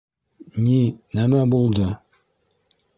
— Ни-нәмә булды?